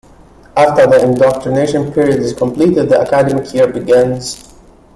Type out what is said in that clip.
After the indoctrination period is completed, the academic year begins.